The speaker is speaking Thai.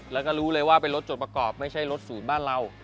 แล้วก็รู้เลยว่าเป็นรถจดประกอบไม่ใช่รถศูนย์บ้านเรา